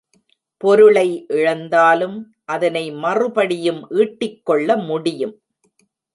பொருளை இழந்தாலும் அதனை மறுபடியும் ஈட்டிக்கொள்ள முடியும்.